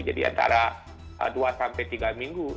jadi antara dua sampai tiga minggu